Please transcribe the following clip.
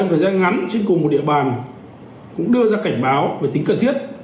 trong thời gian ngắn trên cùng một địa bàn cũng đưa ra cảnh báo về tính cần thiết